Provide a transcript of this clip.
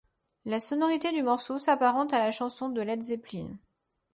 La sonorité du morceau s’apparente à la chanson ' de Led Zeppelin.